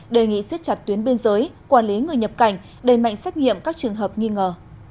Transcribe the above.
đề nghị siết chặt tuyến biên giới quản lý người nhập cảnh đầy mạnh xét nghiệm các trường hợp nghi ngờ